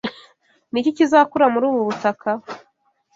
Ni iki kizakura muri ubu butaka?